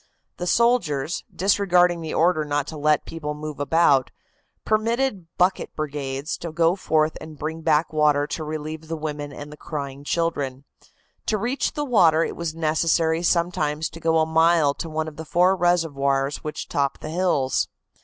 The soldiers, disregarding the order not to let people move about, permitted bucket brigades to go forth and bring back water to relieve the women and the crying children. To reach the water it was necessary sometimes to go a mile to one of the four reservoirs which top the hills.